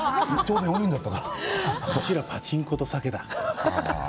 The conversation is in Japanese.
うちらパチンコと酒だ。